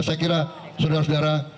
saya kira saudara saudara